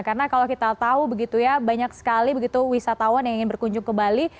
karena kalau kita tahu begitu ya banyak sekali begitu wisatawan yang ingin berkunjung ke bali